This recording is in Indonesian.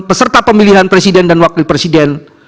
peserta pemilihan presiden dan wakil presiden